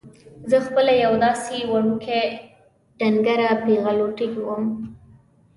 زه خپله یوه داسې وړوکې ډنګره پېغلوټې وم.